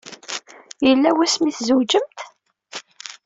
Yella wasmi ay tzewǧemt?